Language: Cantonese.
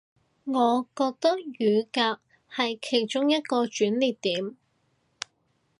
我覺得雨革係其中一個轉捩點